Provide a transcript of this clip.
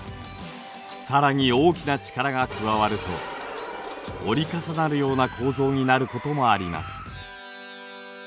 さらに大きな力が加わると折り重なるような構造になることもあります。